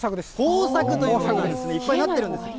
豊作ということで、いっぱいなってるんです。